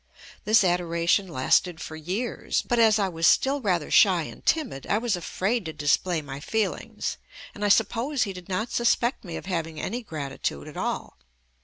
This adoration lasted for years, but as I was still rather shy and timid I was afraid to display my feelings, and I suppose he did not suspect me of having any gratitude at all.